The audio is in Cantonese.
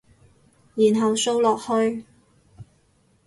然後掃落去